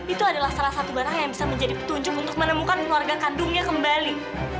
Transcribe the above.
itu adalah salah satu barang yang bisa menjadi petunjuk untuk menemukan keluarga kandungnya kembali